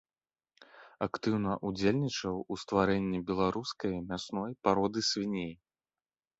Актыўна ўдзельнічаў у стварэнні беларускай мясной пароды свіней.